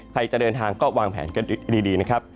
จะเดินทางก็วางแผนกันดีนะครับ